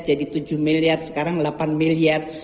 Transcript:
jadi tujuh miliar sekarang delapan miliar